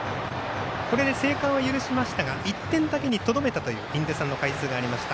これで生還を許しましたが１点だけにとどめたという印出さんの解説がありました。